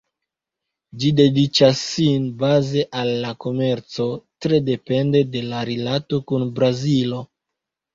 Ĝi dediĉas sin baze al la komerco, tre depende de la rilato kun Brazilo.